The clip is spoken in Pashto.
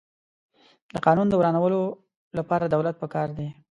د قانون د ورانولو لپاره دولت پکار دی.